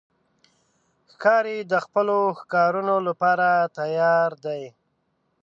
ښکاري د خپلو ښکارونو لپاره تیار دی.